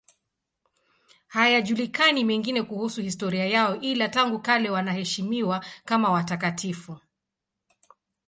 Hayajulikani mengine kuhusu historia yao, ila tangu kale wanaheshimiwa kama watakatifu.